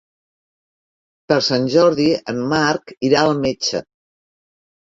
Per Sant Jordi en Marc irà al metge.